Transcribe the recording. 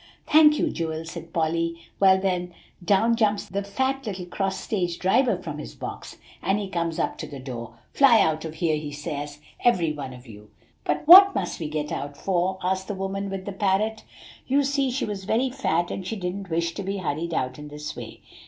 "Thank you, Joel," said Polly; "well, then, down jumps the fat little cross stage driver from his box, and he comes up to the door. 'Fly out of here,' he says, 'every one of you.' "'What must we get out for?' asked the woman with the parrot. You see, she was very fat and she didn't wish to be hurried out in this way.